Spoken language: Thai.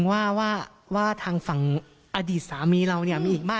ก็แค่ว่าจะหอยเหมือนกันที่น้องครับ